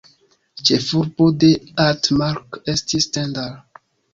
Ĉefurbo de Altmark estis Stendal.